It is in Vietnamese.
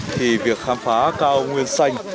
thì việc khám phá cao nguyên xanh